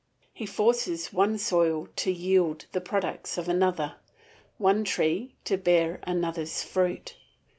He forces one soil to yield the products of another, one tree to bear another's fruit.